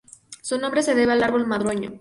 Su nombre se debe al árbol madroño.